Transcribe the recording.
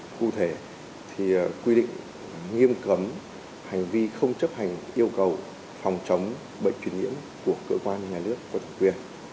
cụ thể quy định nghiêm cấm hành vi không chấp hành yêu cầu phòng chống bệnh chuyển nhiễm của cơ quan nhà nước và tổng quyền